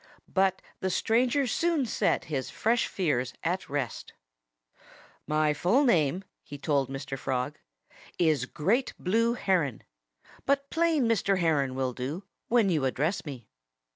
But the stranger soon set his fresh fears at rest. "My full name," he told Mr. Frog, "is Great Blue Heron. But plain Mr. Heron will do, when you address me."